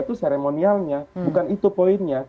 itu seremonialnya bukan itu poinnya